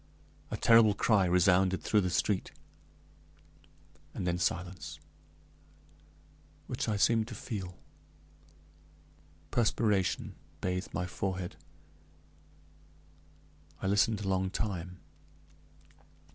A terrible cry resounded through the street, and then silence, which I seemed to feel. Perspiration bathed my forehead. I listened a long time.